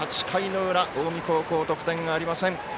８回の裏近江高校、得点がありません。